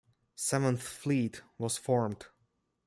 Seventh Fleet was formed.